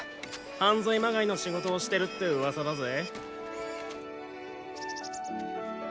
犯罪まがいの仕事をしてるってウワサだぜ。